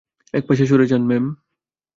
একপাশে সরে যান, ম্যাম।